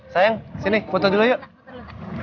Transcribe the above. sayang sini foto dulu yuk